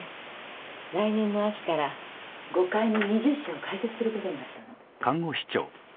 来年の秋から５階に２０床開設することになったの。